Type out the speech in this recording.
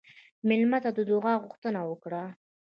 مېلمه ته د دعا غوښتنه وکړه.